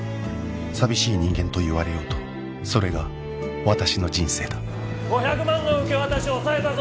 寂しい人間と言われようとそれが私の人生だ５００万の受け渡し押さえたぞ！